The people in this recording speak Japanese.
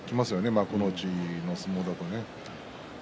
幕内の相撲だとね。